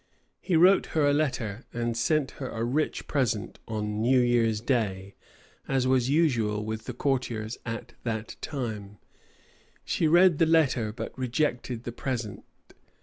He wrote her a letter, and sent her a rich present on new year's day, as was usual with the courtiers at that time: she read the letter but rejected the present.